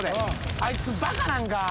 あいつバカなんか。